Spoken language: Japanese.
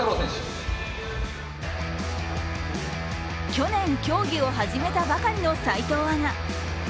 去年、競技を始めたばかりの齋藤アナ。